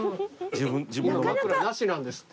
今枕なしなんですって。